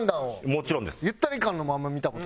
もちろんです。